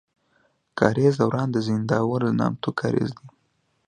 کاريز دوران د زينداور نامتو کاريز دی.